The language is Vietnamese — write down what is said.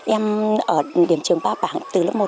em ở điểm trường ba bảng từ lớp một